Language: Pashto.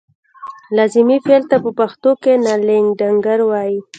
لازمي فعل ته په پښتو کې نالېږندکړ وايي.